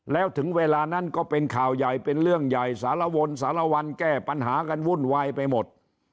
แล้วถึงเวลานั้นก็เป็นข่าวใหญ่เป็นเรื่องใหญ่สารวนสารวัลแก้ปัญหากันวุ่นวายไปหมด